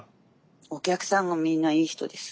お客さんがみんないい人です。